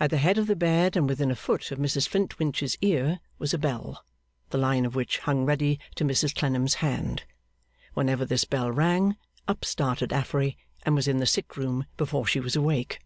At the head of the bed and within a foot of Mrs Flintwinch's ear, was a bell, the line of which hung ready to Mrs Clennam's hand. Whenever this bell rang, up started Affery, and was in the sick room before she was awake.